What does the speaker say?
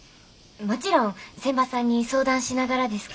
もちろん仙波さんに相談しながらですけど。